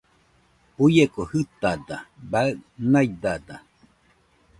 Uieko jɨtada baɨ naidada